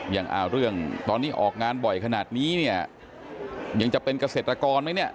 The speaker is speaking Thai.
อย่างเรื่องตอนนี้ออกงานบ่อยขนาดนี้เนี่ยยังจะเป็นเกษตรกรไหมเนี่ย